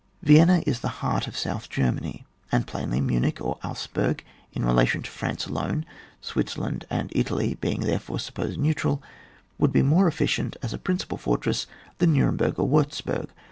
Vienna is the heart of South Germany, and plainly Munich or Augsburg, in relation to France alone (Switzerland and Italy being therefore supposed neu tral) would be more efficient as a prin cipal fortress than Nuremburg or Wurz burg.